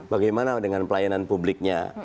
bagaimana dengan pelayanan publiknya